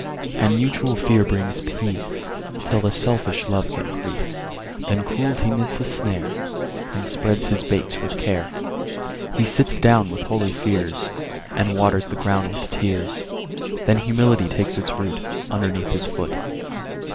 And mutual fear brings peace, Till the selfish loves increase: Then Cruelty knits a snare, And spreads his baits with care. He sits down with holy fears, And waters the grounds with tears; Then Humility takes its root Underneath his foot.